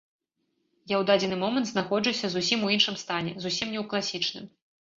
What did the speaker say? Я ў дадзены момант знаходжуся зусім у іншым стане, зусім не ў класічным.